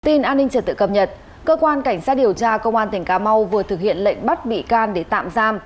tin an ninh trật tự cập nhật cơ quan cảnh sát điều tra công an tỉnh cà mau vừa thực hiện lệnh bắt bị can để tạm giam